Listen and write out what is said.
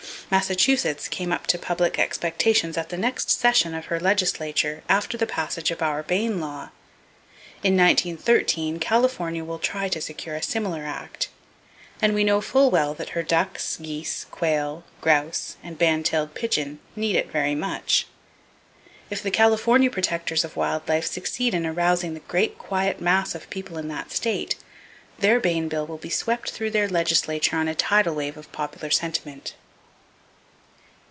Massachusetts came up to public expectations at the next session of her legislature after the passage of our Bayne law. In 1913, California will try to secure a similar act; and we know full well that her ducks, geese, quail, grouse and band tailed pigeon need it very much. If the California protectors of wild life succeed in arousing the great quiet mass of people in that state, their Bayne bill will be swept through their legislature on a tidal wave of popular sentiment.